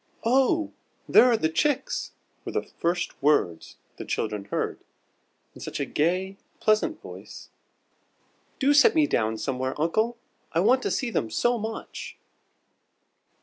"Oh, there are the chicks!" were the first words the children heard, in such a gay, pleasant voice. "Do set me down somewhere, uncle. I want to see them so much!"